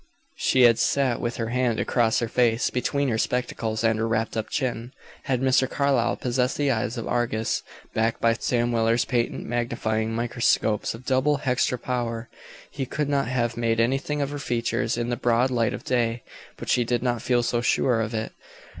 She had sat with her hand across her face, between her spectacles and her wrapped up chin. Had Mr. Carlyle possessed the eyes of Argus, backed by Sam Weller's patent magnifying microscopes of double hextra power, he could not have made anything of her features in the broad light of day. But she did not feel so sure of it.